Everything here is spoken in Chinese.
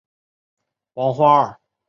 黄花蔺为花蔺科黄花蔺属下的一个种。